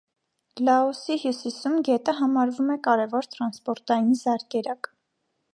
Լաոսի հյուսիսում գետը համարվում է կարևոր տրանսպորտային զարկերակ։